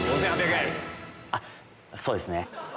あっそうですね。